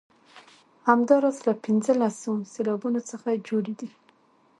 همداراز له پنځلسو سېلابونو څخه جوړې دي.